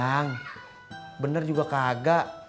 bang bener juga kagak